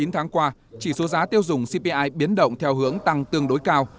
chín tháng qua chỉ số giá tiêu dùng cpi biến động theo hướng tăng tương đối cao